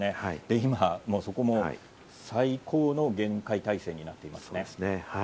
今もそこも最高の厳戒態勢になっていますね。